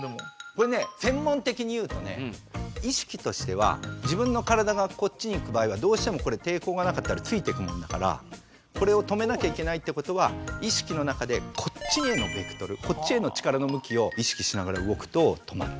これね専門的にいうとね意識としては自分の体がこっちにいく場合はどうしてもこれ抵抗がなかったらついてくもんだからこれを止めなきゃいけないっていうことは意識の中でこっちへのベクトルこっちへの力の向きを意識しながら動くと止まる。